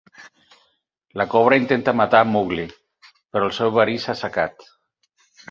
La cobra intenta matar Mowgli, però el seu verí s'ha assecat.